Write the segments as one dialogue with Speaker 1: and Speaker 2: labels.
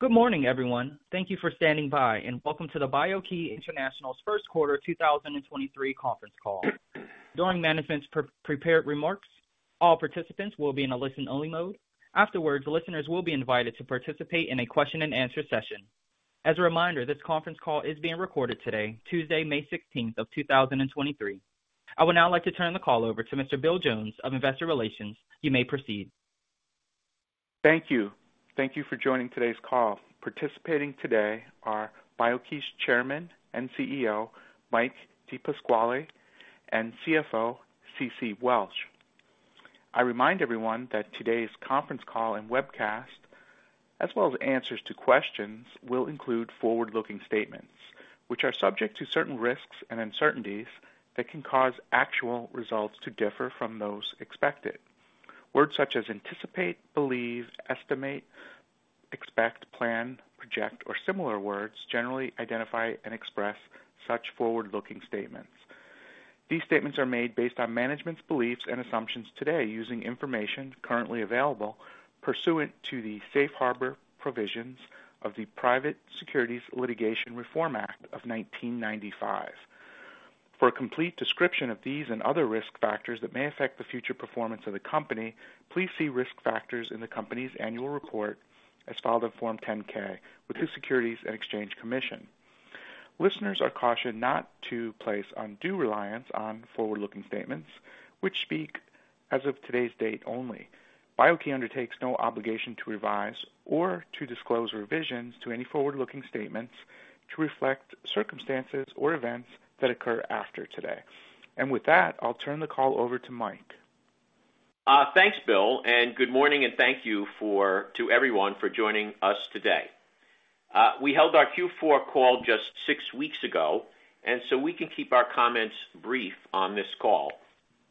Speaker 1: Good morning, everyone. Thank you for standing by and welcome to the BIO-key International's first quarter 2023 conference call. During management's pre-prepared remarks, all participants will be in a listen-only mode. Afterwards, listeners will be invited to participate in a question-and-answer session. As a reminder, this conference call is being recorded today, Tuesday, May 16th of 2023. I would now like to turn the call over to Mr. Bill Jones of Investor Relations. You may proceed.
Speaker 2: Thank you. Thank you for joining today's call. Participating today are BIO-key's Chairman and CEO, Mike DePasquale, and CFO, Ceci Welch. I remind everyone that today's conference call and webcast, as well as answers to questions, will include forward-looking statements which are subject to certain risks and uncertainties that can cause actual results to differ from those expected. Words such as anticipate, believe, estimate, expect, plan, project, or similar words generally identify and express such forward-looking statements. These statements are made based on management's beliefs and assumptions today using information currently available pursuant to the Safe Harbor provisions of the Private Securities Litigation Reform Act of 1995. For a complete description of these and other risk factors that may affect the future performance of the company, please see risk factors in the company's annual report as filed in Form 10-K with the Securities and Exchange Commission. Listeners are cautioned not to place undue reliance on forward-looking statements which speak as of today's date only. BIO-key undertakes no obligation to revise or to disclose revisions to any forward-looking statements to reflect circumstances or events that occur after today. With that, I'll turn the call over to Mike.
Speaker 3: Thanks, Bill, and good morning and thank you to everyone for joining us today. We held our Q4 call just six weeks ago. We can keep our comments brief on this call.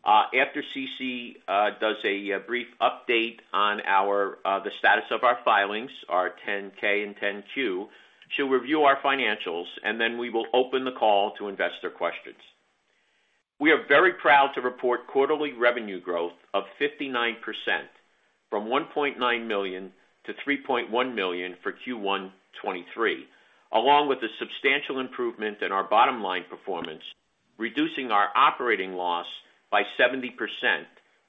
Speaker 3: After Ceci does a brief update on our the status of our filings, our Form 10-K and Form 10-Q, she'll review our financials. We will open the call to investor questions. We are very proud to report quarterly revenue growth of 59% from $1.9 million to $3.1 million for Q1 2023, along with a substantial improvement in our bottom line performance, reducing our operating loss by 70%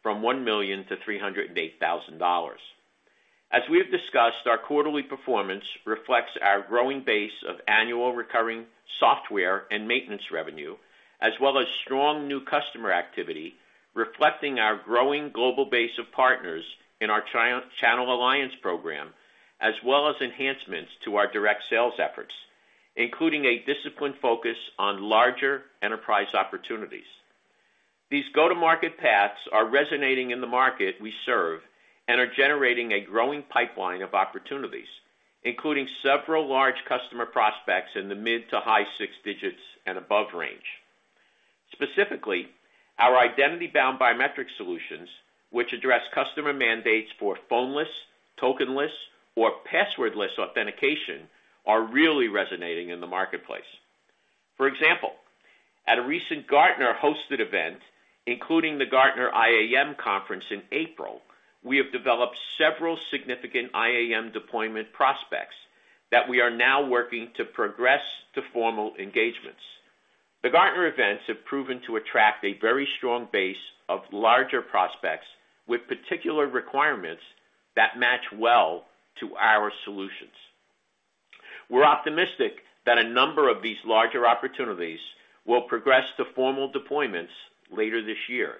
Speaker 3: from $1 million to $308,000. As we have discussed, our quarterly performance reflects our growing base of annual recurring software and maintenance revenue, as well as strong new customer activity, reflecting our growing global base of partners in our Channel Alliance Program, as well as enhancements to our direct sales efforts, including a disciplined focus on larger enterprise opportunities. These go-to-market paths are resonating in the market we serve and are generating a growing pipeline of opportunities, including several large customer prospects in the mid to high six digits and above range. Specifically, our Identity-Bound Biometrics solutions, which address customer mandates for phoneless, tokenless, or passwordless authentication, are really resonating in the marketplace. For example, at a recent Gartner-hosted event, including the Gartner IAM Conference in April, we have developed several significant IAM deployment prospects that we are now working to progress to formal engagements. The Gartner events have proven to attract a very strong base of larger prospects with particular requirements that match well to our solutions. We're optimistic that a number of these larger opportunities will progress to formal deployments later this year,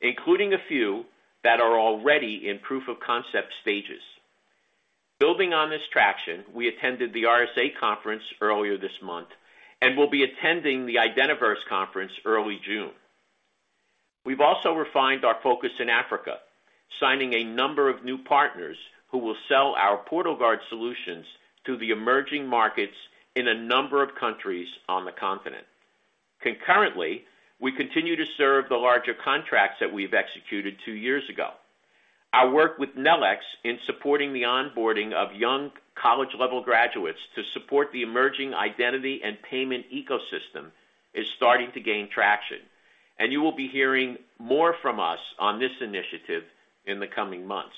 Speaker 3: including a few that are already in proof of concept stages. Building on this traction, we attended the RSA Conference earlier this month and will be attending the Identiverse Conference early June. We've also refined our focus in Africa, signing a number of new partners who will sell our PortalGuard solutions to the emerging markets in a number of countries on the continent. Concurrently, we continue to serve the larger contracts that we've executed two years ago. Our work with NELEX in supporting the onboarding of young college level graduates to support the emerging identity and payment ecosystem is starting to gain traction, and you will be hearing more from us on this initiative in the coming months.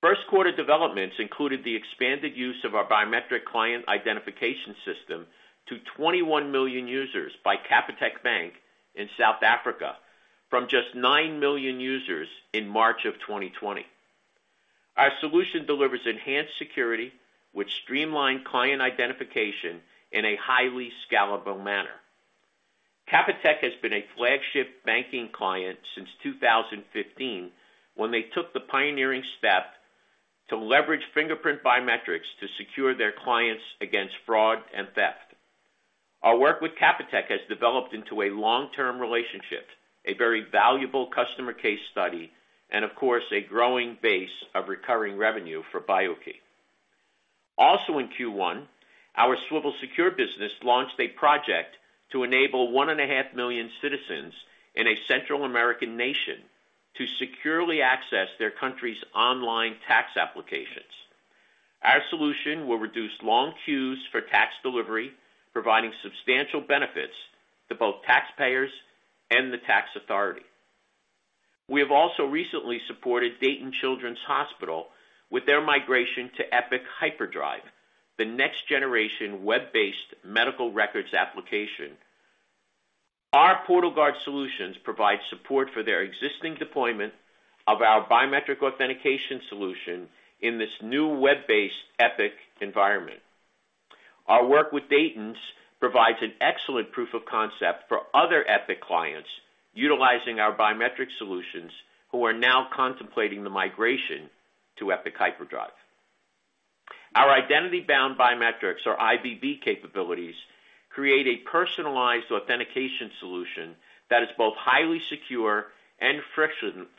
Speaker 3: First quarter developments included the expanded use of our biometric client identification system to 21 million users by Capitec Bank in South Africa from just 9 million users in March of 2020. Our solution delivers enhanced security, which streamline client identification in a highly scalable manner. Capitec has been a flagship banking client since 2015, when they took the pioneering step to leverage fingerprint biometrics to secure their clients against fraud and theft. Our work with Capitec has developed into a long-term relationship, a very valuable customer case study, and of course, a growing base of recurring revenue for BIO-key. Also in Q1, our Swivel Secure launched a project to enable 1.5 million citizens in a Central American nation to securely access their country's online tax applications. Our solution will reduce long queues for tax delivery, providing substantial benefits to both taxpayers and the tax authority. We have also recently supported Dayton Children's Hospital with their migration to Epic Hyperdrive, the next generation web-based medical records application. Our PortalGuard solutions provide support for their existing deployment of our biometric authentication solution in this new web-based Epic environment. Our work with Dayton's provides an excellent proof of concept for other Epic clients utilizing our biometric solutions who are now contemplating the migration to Epic Hyperdrive. Our Identity-Bound Biometrics or IBB capabilities create a personalized authentication solution that is both highly secure and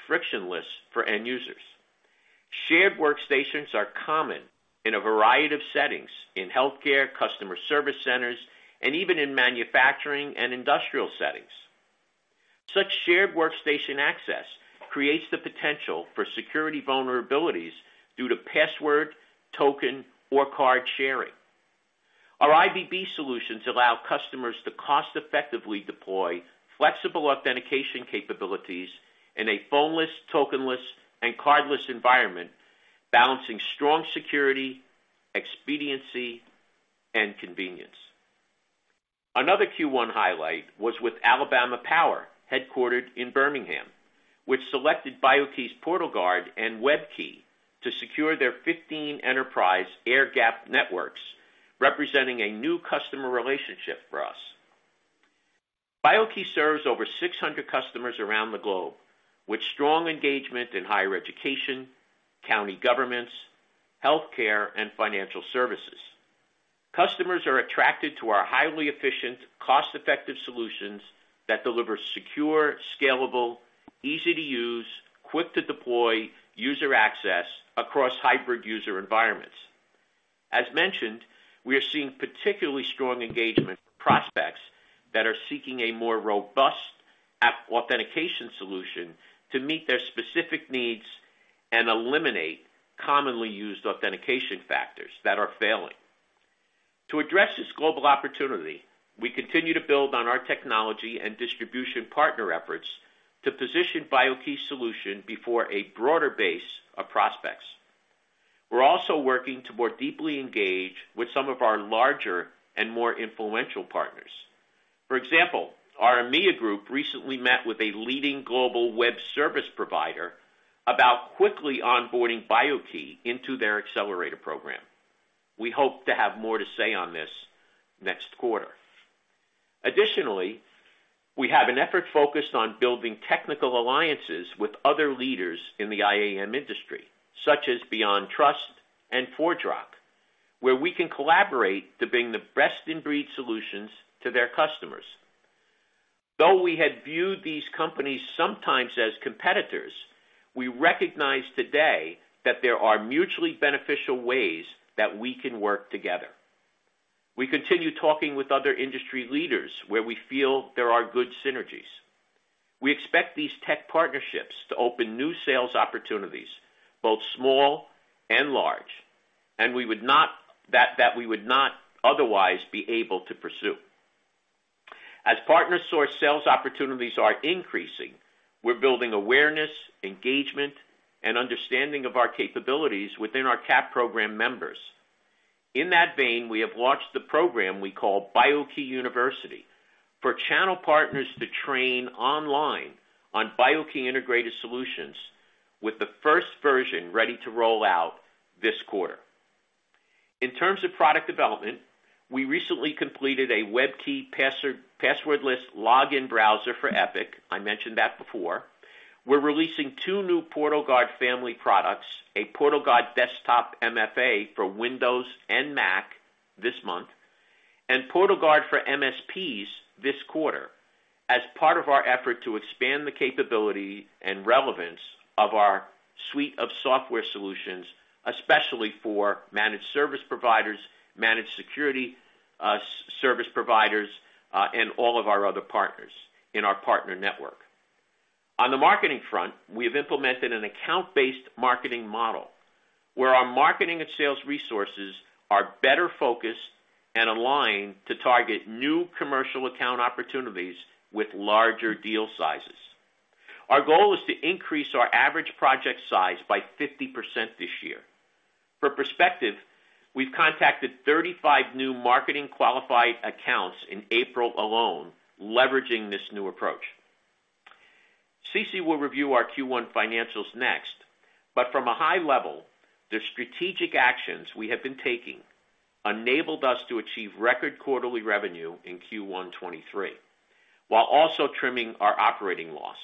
Speaker 3: frictionless for end users. Shared workstations are common in a variety of settings in healthcare, customer service centers and even in manufacturing and industrial settings. Such shared workstation access creates the potential for security vulnerabilities due to password, token or card sharing. Our Identity-Bound Biometrics solutions allow customers to cost effectively deploy flexible authentication capabilities in a phoneless, tokenless and cardless environment, balancing strong security, expediency and convenience. Another Q1 highlight was with Alabama Power, headquartered in Birmingham, which selected BIO-key's PortalGuard and WEB-key to secure their 15 enterprise air-gapped networks, representing a new customer relationship for us. BIO-key serves over 600 customers around the globe with strong engagement in higher education, county governments, healthcare and financial services. Customers are attracted to our highly efficient, cost-effective solutions that deliver secure, scalable, easy-to-use, quick-to-deploy user access across hybrid user environments. As mentioned, we are seeing particularly strong engagement prospects that are seeking a more robust app authentication solution to meet their specific needs and eliminate commonly used authentication factors that are failing. To address this global opportunity, we continue to build on our technology and distribution partner efforts to position BIO-key solution before a broader base of prospects. We're also working to more deeply engage with some of our larger and more influential partners. For example, our EMEA group recently met with a leading global web service provider about quickly onboarding BIO-key into their accelerator program. We hope to have more to say on this next quarter. Additionally, we have an effort focused on building technical alliances with other leaders in the IAM industry such as BeyondTrust and ForgeRock, where we can collaborate to bring the best in breed solutions to their customers. Though we had viewed these companies sometimes as competitors, we recognize today that there are mutually beneficial ways that we can work together. We continue talking with other industry leaders where we feel there are good synergies. We expect these tech partnerships to open new sales opportunities, both small and large, and we would not otherwise be able to pursue. As partner source sales opportunities are increasing, we're building awareness, engagement and understanding of our capabilities within our CAP program members. In that vein, we have launched the program we call BIO-key University for channel partners to train online on BIO-key integrated solutions with the first version ready to roll out this quarter. In terms of product development, we recently completed a WEB-key passwordless login browser for Epic. I mentioned that before. We're releasing two new PortalGuard family products, a PortalGuard desktop MFA for Windows and Mac this month, and PortalGuard for MSPs this quarter as part of our effort to expand the capability and relevance of our suite of software solutions, especially for managed service providers, managed security service providers, and all of our other partners in our partner network. On the marketing front, we have implemented an account-based marketing model where our marketing and sales resources are better focused and aligned to target new commercial account opportunities with larger deal sizes. Our goal is to increase our average project size by 50% this year. For perspective, we've contacted 35 new marketing qualified accounts in April alone leveraging this new approach. Ceci will review our Q1 financials next. From a high level, the strategic actions we have been taking enabled us to achieve record quarterly revenue in Q1 2023 while also trimming our operating loss.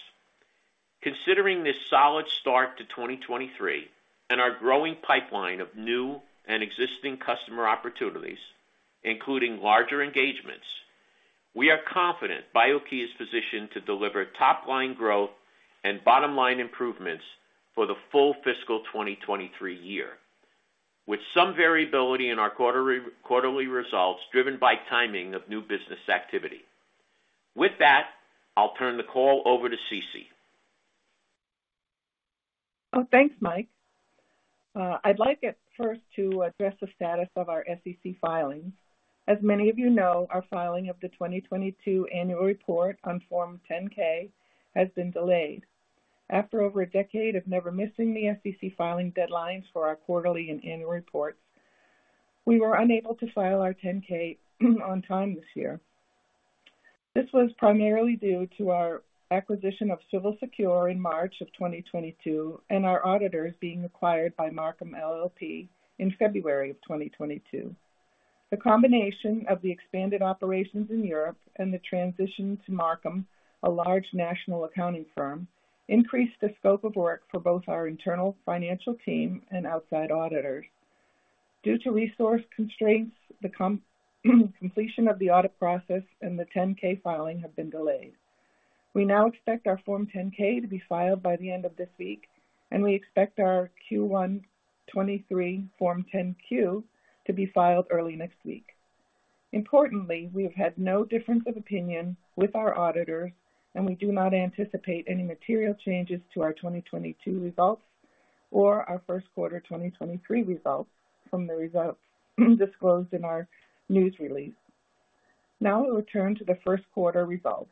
Speaker 3: Considering this solid start to 2023 and our growing pipeline of new and existing customer opportunities, including larger engagements, we are confident BIO-key is positioned to deliver top-line growth and bottom-line improvements for the full fiscal 2023 year, with some variability in our quarterly results driven by timing of new business activity. With that, I'll turn the call over to Ceci.
Speaker 4: Thanks, Mike. I'd like at first to address the status of our SEC filings. As many of you know, our filing of the 2022 annual report on Form 10-K has been delayed. After over a decade of never missing the SEC filing deadlines for our quarterly and annual reports, we were unable to file our 10-K on time this year. This was primarily due to our acquisition of Swivel Secure in March of 2022 and our auditors being acquired by Marcum LLP in February of 2022. The combination of the expanded operations in Europe and the transition to Marcum, a large national accounting firm, increased the scope of work for both our internal financial team and outside auditors. Due to resource constraints, the completion of the audit process and the 10-K filing have been delayed. We now expect our Form 10-K to be filed by the end of this week, and we expect our Q1 2023 Form 10-Q to be filed early next week. Importantly, we have had no difference of opinion with our auditors, and we do not anticipate any material changes to our 2022 results or our first quarter 2023 results from the results disclosed in our news release. We'll turn to the first quarter results.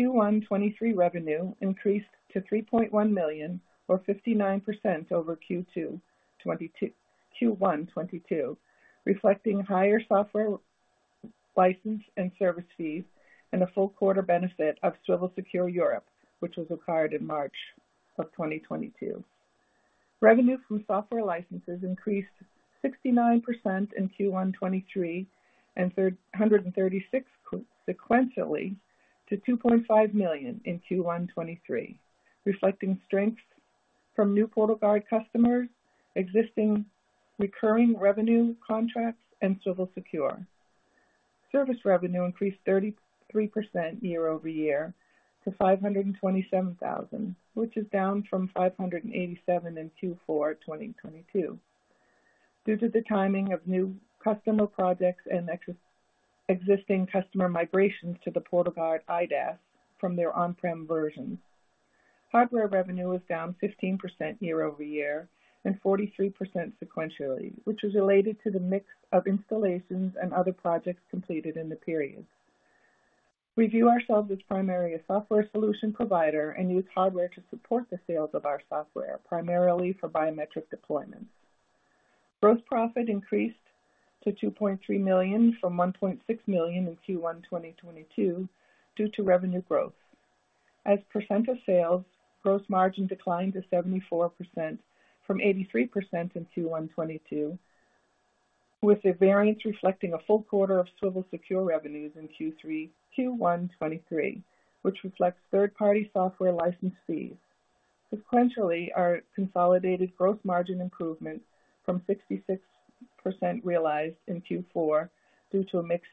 Speaker 4: Q1 2023 revenue increased to $3.1 million or 59% over Q1 2022, reflecting higher software license and service fees and a full quarter benefit of Swivel Secure Europe, which was acquired in March 2022. Revenue from software licenses increased 69% in Q1 2023 and 136% sequentially to $2.5 million in Q1 2023, reflecting strength from new PortalGuard customers, existing recurring revenue contracts and Swivel Secure. Service revenue increased 33% year-over-year to $527,000, which is down from $587,000 in Q4 2022 due to the timing of new customer projects and existing customer migrations to the PortalGuard IDaaS from their on-prem versions. Hardware revenue was down 15% year-over-year and 43% sequentially, which was related to the mix of installations and other projects completed in the period. We view ourselves as primarily a software solution provider and use hardware to support the sales of our software, primarily for biometric deployments. Gross profit increased to $2.3 million from $1.6 million in Q1 2022 due to revenue growth. As percent of sales, gross margin declined to 74% from 83% in Q1 2022, with the variance reflecting a full quarter of Swivel Secure revenues in Q1 2023, which reflects third-party software license fees. Our consolidated growth margin improvement from 66% realized in Q4 due to a mix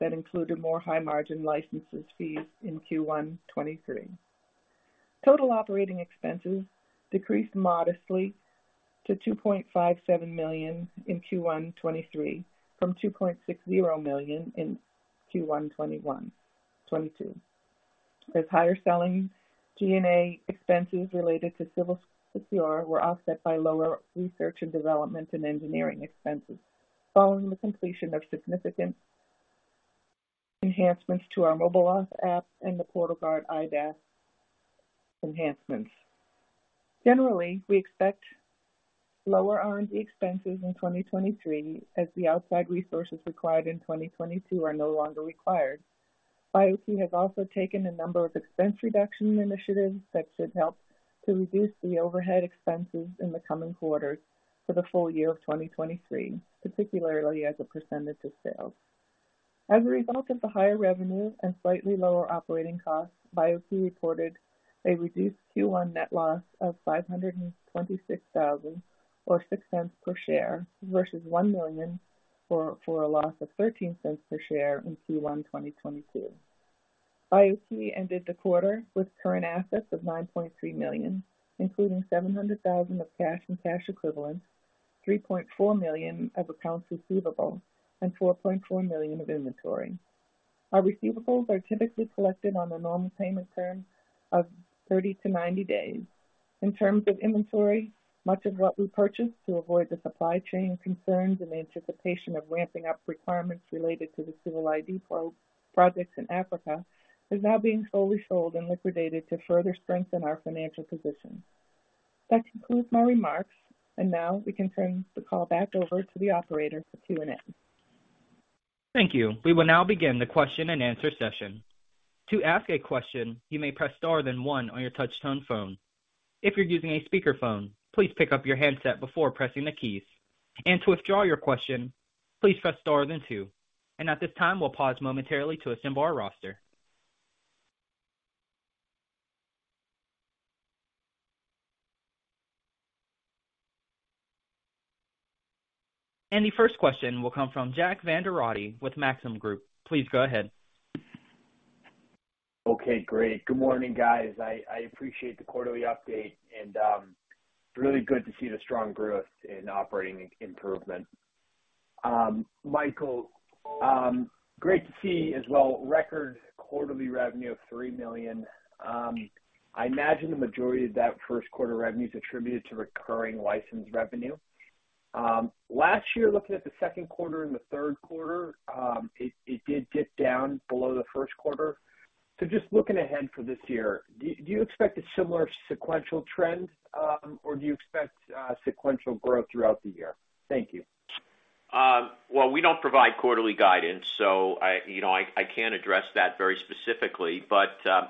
Speaker 4: that included more high-margin license fees in Q1 2023. Total operating expenses decreased modestly to $2.57 million in Q1 2023 from $2.60 million in Q1 2022. Higher selling G&A expenses related to Swivel Secure were offset by lower research and development and engineering expenses following the completion of significant enhancements to our MobileAuth app and the PortalGuard IDaaS enhancements. Generally, we expect lower R&D expenses in 2023 as the outside resources required in 2022 are no longer required. BIO-key has also taken a number of expense reduction initiatives that should help to reduce the overhead expenses in the coming quarters for the full year of 2023, particularly as a percentage of sales. As a result of the higher revenue and slightly lower operating costs, BIO-key reported a reduced Q1 net loss of $526,000, or $0.06 per share, versus $1 million for a loss of $0.13 per share in Q1 2022. BIO-key ended the quarter with current assets of $9.3 million, including $700,000 of cash and cash equivalents, $3.4 million of accounts receivable and $4.4 million of inventory. Our receivables are typically collected on a normal payment term of 30-90 days. In terms of inventory, much of what we purchased to avoid the supply chain concerns in anticipation of ramping up requirements related to the civil ID projects in Africa is now being slowly sold and liquidated to further strengthen our financial position. That concludes my remarks. Now we can turn the call back over to the operator for Q&A.
Speaker 1: Thank you. We will now begin the question-and-answer session. To ask a question, you may press star then one on your touch-tone phone. If you're using a speakerphone, please pick up your handset before pressing the keys. To withdraw your question, please press star then two. At this time, we'll pause momentarily to assemble our roster. The first question will come from Jack Vander Aarde with Maxim Group. Please go ahead.
Speaker 5: Okay, great. Good morning, guys. I appreciate the quarterly update and really good to see the strong growth and operating improvement. Michael, great to see as well record quarterly revenue of $3 million. I imagine the majority of that first quarter revenue is attributed to recurring license revenue. Last year, looking at the second quarter and the third quarter, it did dip down below the first quarter. Just looking ahead for this year, do you expect a similar sequential trend, or do you expect sequential growth throughout the year? Thank you.
Speaker 3: Well, we don't provide quarterly guidance, so I, you know, I can't address that very specifically.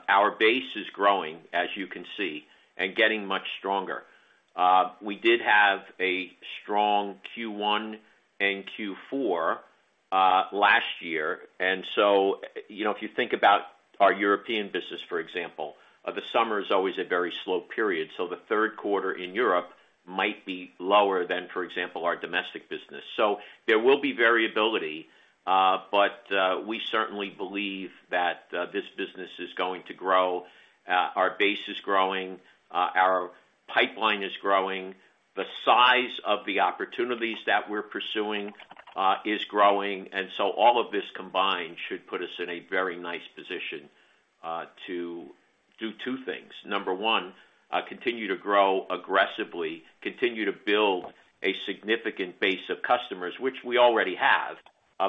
Speaker 3: Our base is growing, as you can see, and getting much stronger. We did have a strong Q1 and Q4 last year, you know, if you think about our European business, for example, the summer is always a very slow period. The third quarter in Europe might be lower than, for example, our domestic business. There will be variability, but we certainly believe that this business is going to grow. Our base is growing, our pipeline is growing. The size of the opportunities that we're pursuing is growing. All of this combined should put us in a very nice position to do two things. Number 1, continue to grow aggressively, continue to build a significant base of customers, which we already have,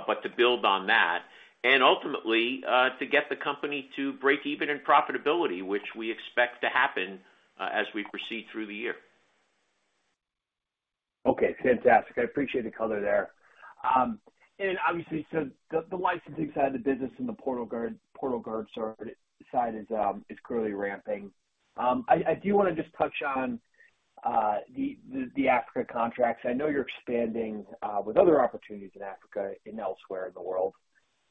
Speaker 3: but to build on that. Ultimately, to get the company to break even in profitability, which we expect to happen as we proceed through the year.
Speaker 5: Okay, fantastic. I appreciate the color there. The licensing side of the business and the PortalGuard service side is clearly ramping. I do wanna just touch on the Africa contracts. I know you're expanding with other opportunities in Africa and elsewhere in the world.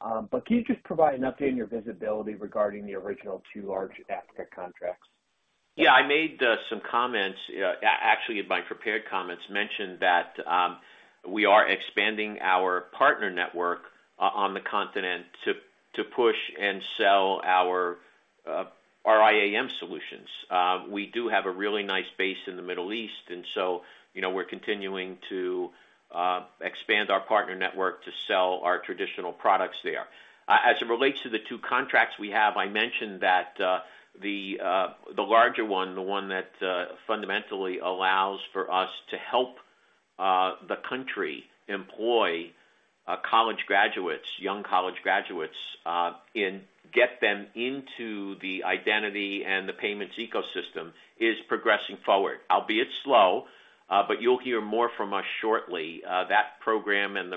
Speaker 5: Can you just provide an update on your visibility regarding the original two large Africa contracts?
Speaker 3: I made some comments, actually in my prepared comments, mentioned that we are expanding our partner network on the continent to push and sell our IAM solutions. We do have a really nice base in the Middle East, and so, you know, we're continuing to expand our partner network to sell our traditional products there. As it relates to the two contracts we have, I mentioned that the larger one, the one that fundamentally allows for us to help the country employ college graduates, young college graduates, and get them into the identity and the payments ecosystem, is progressing forward. Albeit slow, but you'll hear more from us shortly. That program and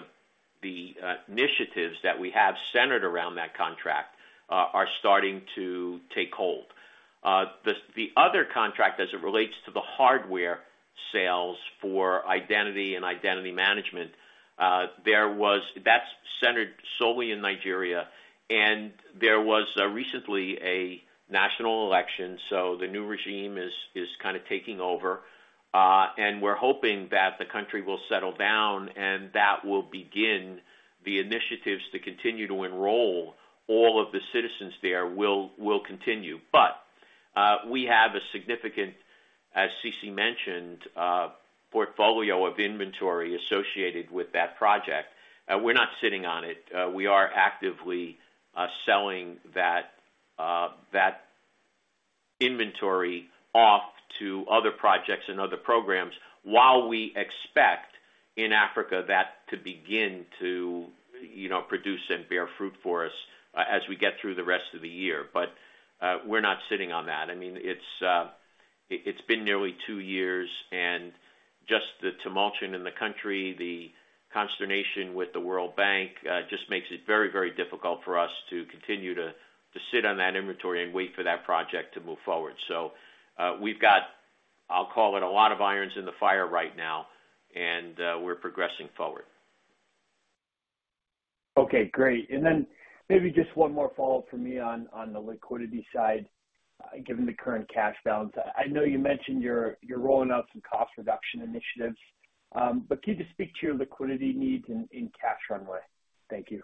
Speaker 3: the initiatives that we have centered around that contract are starting to take hold. The other contract as it relates to the hardware sales for identity and identity management, that's centered solely in Nigeria. There was recently a national election, so the new regime is kind of taking over. We're hoping that the country will settle down and that will begin the initiatives to continue to enroll all of the citizens there will continue. We have a significant, as Ceci mentioned, portfolio of inventory associated with that project. We're not sitting on it. We are actively selling that inventory off to other projects and other programs while we expect in Africa that to begin to, you know, produce and bear fruit for us as we get through the rest of the year. We're not sitting on that. I mean, it's been nearly two years and just the tumult in the country, the consternation with the World Bank, just makes it very, very difficult for us to continue to sit on that inventory and wait for that project to move forward. We've got—I'll call it, a lot of irons in the fire right now, and we're progressing forward.
Speaker 5: Okay, great. Maybe just one more follow-up from me on the liquidity side, given the current cash balance. I know you mentioned you're rolling out some cost reduction initiatives. Can you just speak to your liquidity needs and cash runway? Thank you.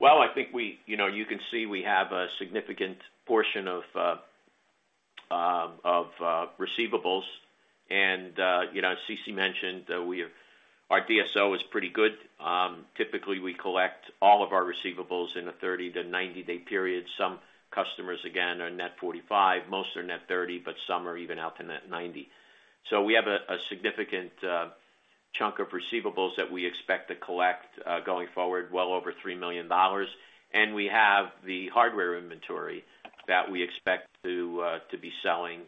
Speaker 3: Well, I think you know, you can see we have a significant portion of receivables. You know, as Ceci mentioned, our DSO is pretty good. Typically, we collect all of our receivables in a 30-90 day period. Some customers, again, are net 45, most are net 30, but some are even out to net 90. We have a significant chunk of receivables that we expect to collect going forward, well over $3 million. We have the hardware inventory that we expect to be selling,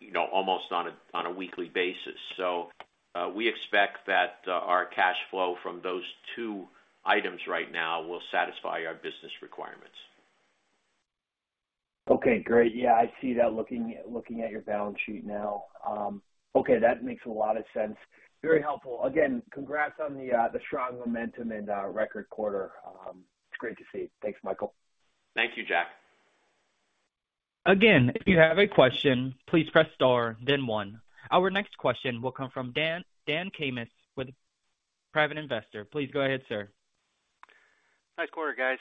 Speaker 3: you know, almost on a weekly basis. We expect that our cash flow from those two items right now will satisfy our business requirements.
Speaker 5: Okay, great. Yeah, I see that looking at your balance sheet now. Okay, that makes a lot of sense. Very helpful. Again, congrats on the strong momentum and record quarter. It's great to see. Thanks, Michael.
Speaker 3: Thank you, Jack.
Speaker 1: If you have a question, please press star then one. Our next question will come from Dan Kaimas with Private Investor. Please go ahead, sir.
Speaker 6: Nice quarter, guys.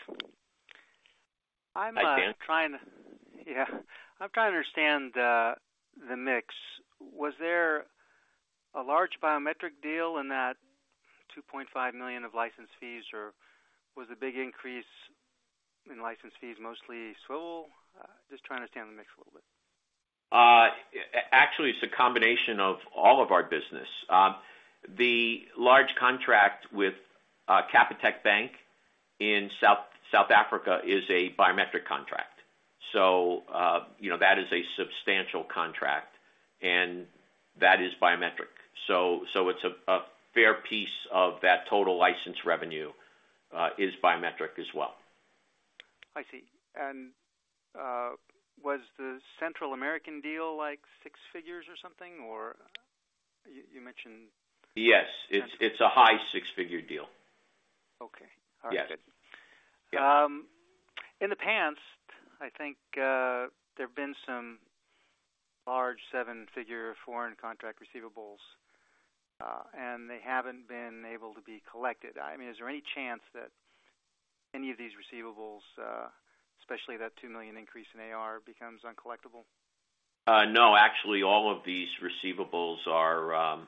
Speaker 6: Yeah. I'm trying to understand the mix. Was there a large biometric deal in that $2.5 million of license fees, or was the big increase in license fees mostly Swivel Secure? Just trying to understand the mix a little bit.
Speaker 3: Actually, it's a combination of all of our business. The large contract with Capitec Bank in South Africa is a biometric contract. You know, that is a substantial contract, and that is biometric. It's a fair piece of that total license revenue is biometric as well.
Speaker 6: I see. Was the Central American deal like six figures or something, or—you mentioned.
Speaker 3: Yes. It's a high six-figure deal.
Speaker 6: Okay.
Speaker 3: Yes.
Speaker 6: All right. Good.
Speaker 3: Yeah.
Speaker 6: In the past, I think, there have been some large seven-figure foreign contract receivables, and they haven't been able to be collected. I mean, is there any chance that any of these receivables, especially that $2 million increase in AR, becomes uncollectible?
Speaker 3: No. Actually, all of these receivables are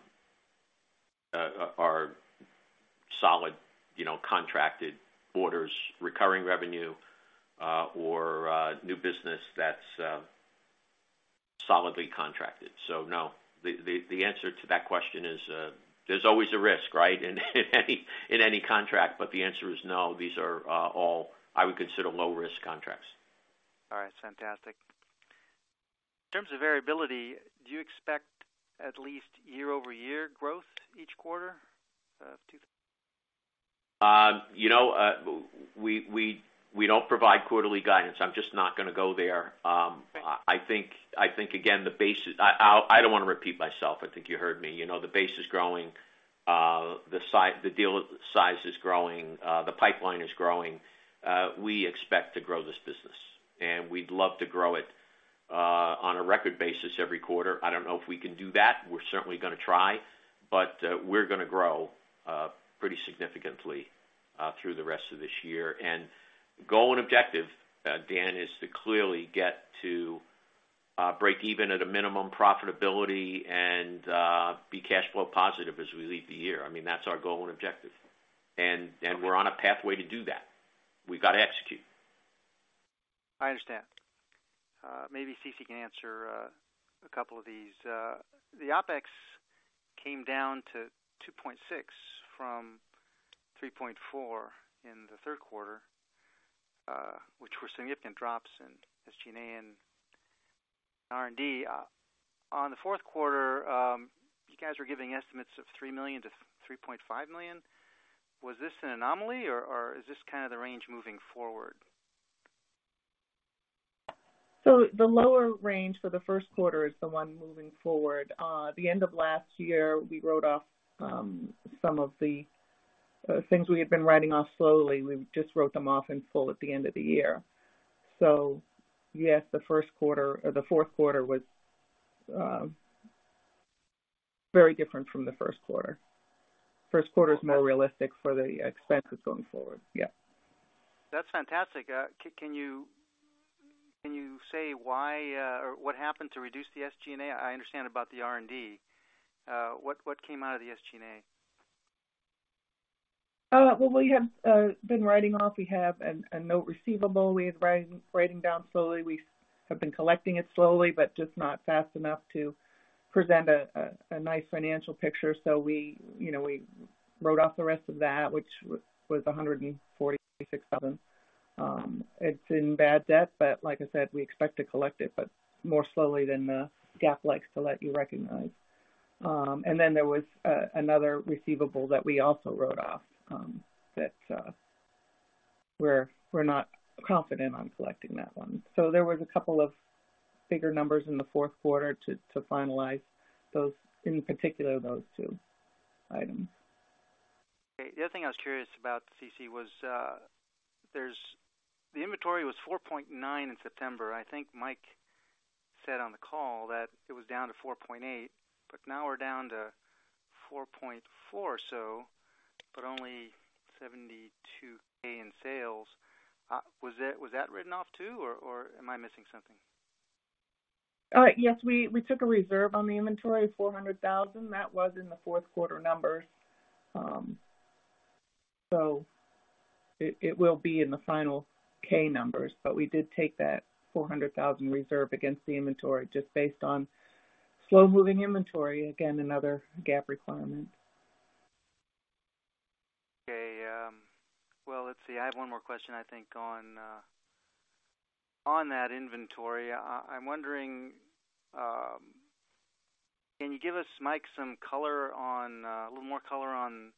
Speaker 3: solid, you know, contracted orders, recurring revenue, or new business that's solidly contracted. No. The answer to that question is, there's always a risk, right, in any contract, but the answer is no. These are all I would consider low-risk contracts.
Speaker 6: All right. Fantastic. In terms of variability, do you expect at least year-over-year growth each quarter of 2021?
Speaker 3: You know, we don't provide quarterly guidance. I'm just not gonna go there.
Speaker 6: Right.
Speaker 3: I think, again, I don't wanna repeat myself. I think you heard me. You know, the base is growing. The deal size is growing. The pipeline is growing. We expect to grow this business, and we'd love to grow it on a record basis every quarter. I don't know if we can do that. We're certainly gonna try. We're gonna grow pretty significantly through the rest of this year. Goal and objective, Dan, is to clearly get to break even at a minimum profitability and be cash flow positive as we leave the year. I mean, that's our goal and objective. We're on a pathway to do that. We've got to execute.
Speaker 6: I understand. Maybe Ceci can answer a couple of these. The OpEx came down to $2.6 million from $3.4 million in the third quarter, which were significant drops in SG&A and R&D. On the fourth quarter, you guys were giving estimates of $3 million-$3.5 million. Was this an anomaly or is this kind of the range moving forward?
Speaker 4: The lower range for the first quarter is the one moving forward. The end of last year, we wrote off some of the things we had been writing off slowly. We just wrote them off in full at the end of the year. Yes, the fourth quarter was very different from the first quarter. First quarter is more realistic for the expenses going forward. Yeah.
Speaker 6: That's fantastic. Can you say why, or what happened to reduce the SG&A? I understand about the R&D. What came out of the SG&A?
Speaker 4: Well, we have been writing off. We have a note receivable we've writing down slowly. We have been collecting it slowly, but just not fast enough to present a nice financial picture. We, you know, we wrote off the rest of that, which was $146,700. It's in bad debt, but like I said, we expect to collect it, but more slowly than the GAAP likes to let you recognize. There was another receivable that we also wrote off that we're not confident on collecting that one. There was a couple of bigger numbers in the fourth quarter to finalize those, in particular, those two items.
Speaker 6: The other thing I was curious about, Ceci, was the inventory was $4.9 million in September. I think Mike said on the call that it was down to $4.8 million, but now we're down to $4.4 million or so, but only $72,000 in sales. Was that written off too, or am I missing something?
Speaker 4: Yes. We took a reserve on the inventory of $400,000. That was in the fourth quarter numbers. It will be in the final K numbers. We did take that $400,000 reserve against the inventory just based on slow-moving inventory, again, another GAAP requirement.
Speaker 6: Okay. Well, let's see. I have one more question, I think, on on that inventory. I'm wondering, can you give us, Mike, some color on a little more color on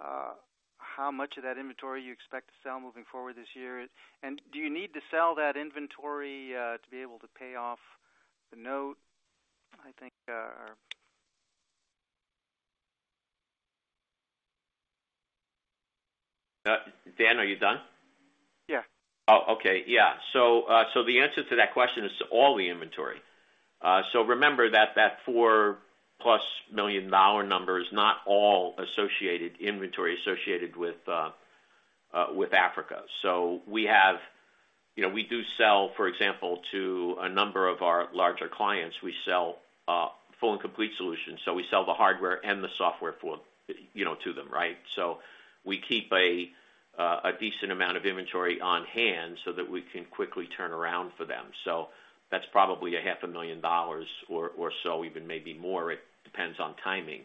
Speaker 6: how much of that inventory you expect to sell moving forward this year? Do you need to sell that inventory to be able to pay off the note, I think?
Speaker 3: Dan, are you done?
Speaker 6: Yeah.
Speaker 3: The answer to that question is to all the inventory. Remember that that $4+ million number is not all associated inventory associated with Africa. We have, you know, we do sell, for example, to a number of our larger clients. We sell full and complete solutions. We sell the hardware and the software for, you know, to them, right? We keep a decent amount of inventory on hand so that we can quickly turn around for them. That's probably a half a million dollars or so even maybe more. It depends on timing.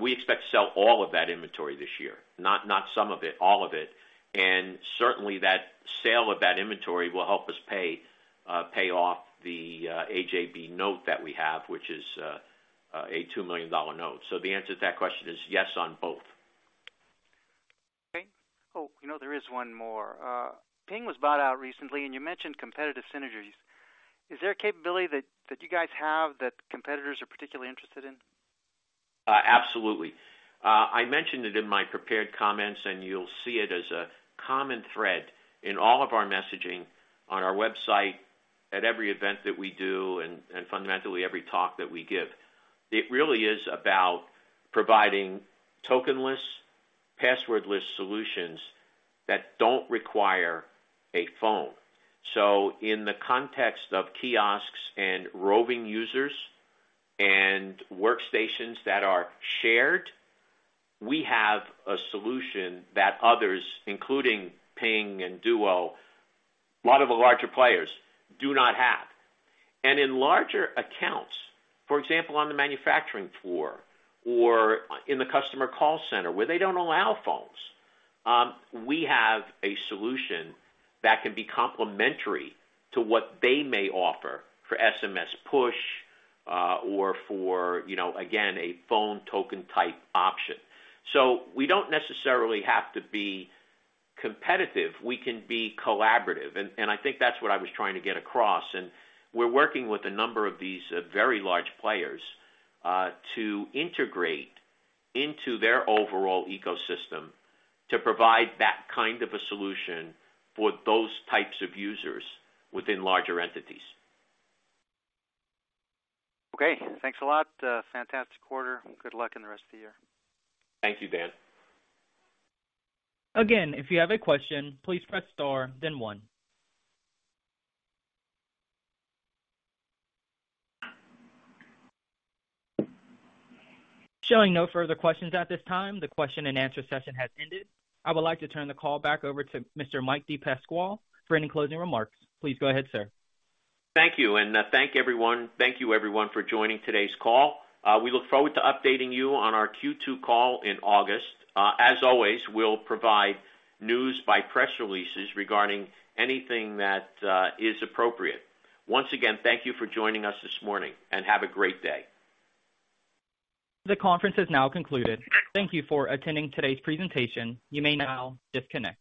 Speaker 3: We expect to sell all of that inventory this year. Not some of it, all of it. Certainly that sale of that inventory will help us pay off the AJB note that we have, which is a $2 million note. The answer to that question is yes on both.
Speaker 6: Okay. Oh, you know, there is one more. Ping was bought out recently, and you mentioned competitive synergies. Is there a capability that you guys have that competitors are particularly interested in?
Speaker 3: Absolutely. I mentioned it in my prepared comments, and you'll see it as a common thread in all of our messaging on our website at every event that we do and fundamentally every talk that we give. It really is about providing tokenless, passwordless solutions that don't require a phone. In the context of kiosks and roving users and workstations that are shared, we have a solution that others, including Ping and Duo, a lot of the larger players do not have. In larger accounts, for example, on the manufacturing floor or in the customer call center where they don't allow phones, we have a solution that can be complementary to what they may offer for SMS push, or for, you know, again, a phone token type option. We don't necessarily have to be competitive. We can be collaborative, and I think that's what I was trying to get across and we're working with a number of these, very large players, to integrate into their overall ecosystem to provide that kind of a solution for those types of users within larger entities.
Speaker 6: Okay, thanks a lot. Fantastic quarter. Good luck in the rest of the year.
Speaker 3: Thank you, Dan.
Speaker 1: Again, if you have a question, please press star then one. Showing no further questions at this time, the question-and-answer session has ended. I would like to turn the call back over to Mr. Mike DePasquale for any closing remarks. Please go ahead, sir.
Speaker 3: Thank you. Thank you everyone for joining today's call. We look forward to updating you on our Q2 call in August. As always, we'll provide news by press releases regarding anything that is appropriate. Once again, thank you for joining us this morning, and have a great day.
Speaker 1: The conference has now concluded. Thank you for attending today's presentation. You may now disconnect.